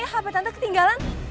tapi apa tante ketinggalan